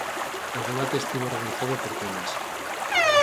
O debate estivo organizado por temas.